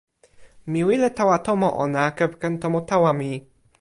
mi wile tawa tomo ona kepeken tomo tawa mi.